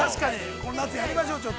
この夏やりましょう。